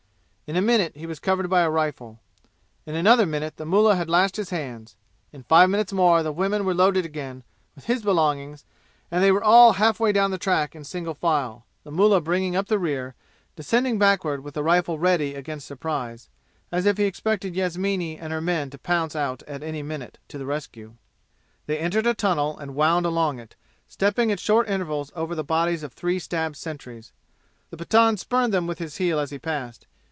In a minute he was covered by a rifle. In another minute the mullah had lashed his hands. In five minutes more the women were loaded again with his belongings and they were all half way down the track in single file, the mullah bringing up the rear, descending backward with rifle ready against surprise, as if he expected Yasmini and her men to pounce out any minute to the rescue. They entered a tunnel and wound along it, stepping at short intervals over the bodies of three stabbed sentries. The Pathan spurned them with his heel as he passed.